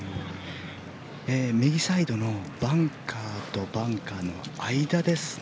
右サイドのバンカーとバンカーの間ですね。